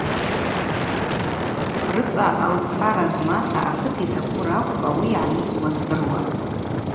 Рыцӏа алцара змата акыт йтакву ракӏвпӏ ауи йгӏаныцӏуа здыруа.